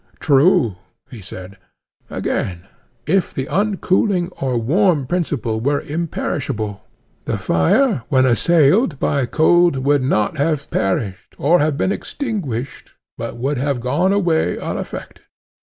True, he said. Again, if the uncooling or warm principle were imperishable, the fire when assailed by cold would not have perished or have been extinguished, but would have gone away unaffected?